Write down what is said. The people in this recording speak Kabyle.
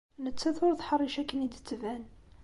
Nettat ur teḥṛic akken i d-tettban.